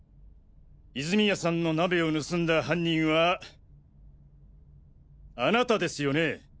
泉谷さんの鍋を盗んだ犯人はあなたですよね？